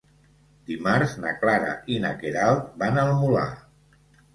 Dimarts na Clara i na Queralt van al Molar.